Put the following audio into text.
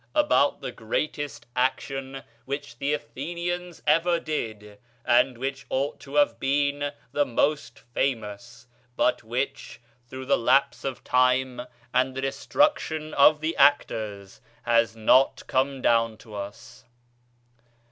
"About the greatest action which the Athenians ever did, and which ought to have been most famous, but which, through the lapse of time and the destruction of the actors, has not come down to us."